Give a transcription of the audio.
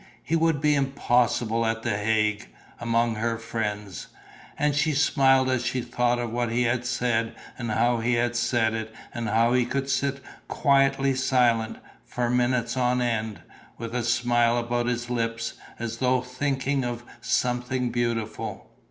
He would be impossible at the Hague, among her friends. And she smiled as she thought of what he had said and how he had said it and how he could sit quietly silent, for minutes on end, with a smile about his lips, as though thinking of something beautiful....